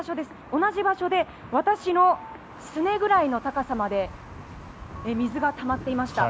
同じ場所で私のすねぐらいの高さまで水がたまっていました。